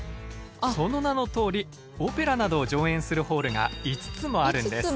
その名のとおりオペラなどを上演するホールが５つもあるんです。